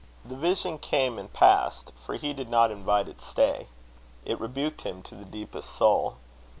The vision came and passed, for he did not invite its stay: it rebuked him to the deepest soul.